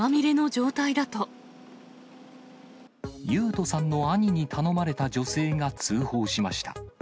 勇人さんの兄に頼まれた女性が通報しました。